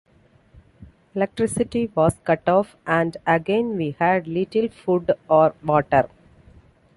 Electricity was cut off, and again we had little food or water.